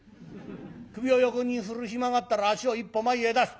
首を横に振る暇があったら足を一歩前へ出す。